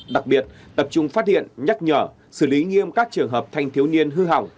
đặc biệt tập trung phát hiện nhắc nhở xử lý nghiêm các trường hợp thanh thiếu niên hư hỏng